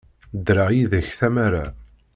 Ddreɣ yid-k tamara.